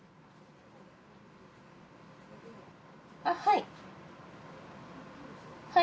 あっはい。